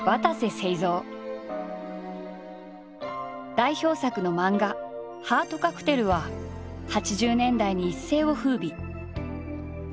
代表作の漫画「ハートカクテル」は８０年代に一世を風靡。